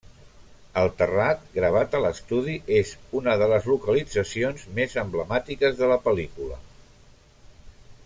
El terrat, gravat a l'estudi, és una de les localitzacions més emblemàtiques de la pel·lícula.